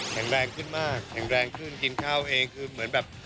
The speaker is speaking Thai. แรงขึ้นมากแข็งแรงขึ้นกินข้าวเองคือเหมือนแบบ